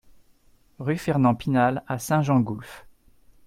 Rue Fernand Pinal à Saint-Gengoulph